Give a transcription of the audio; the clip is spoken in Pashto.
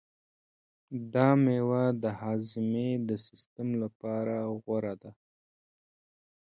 دا مېوه د هاضمې د سیستم لپاره غوره ده.